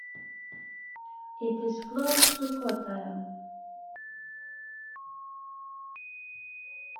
It is close to Kottayam.